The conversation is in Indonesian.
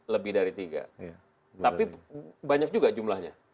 lebih dari tiga tapi banyak juga jumlahnya